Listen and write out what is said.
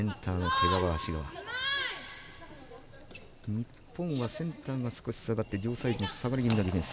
日本はセンターが少し下がって両サイド下がり気味になります。